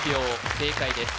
正解です